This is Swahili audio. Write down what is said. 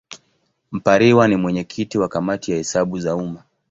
Mpariwa ni mwenyekiti wa Kamati ya Hesabu za Umma.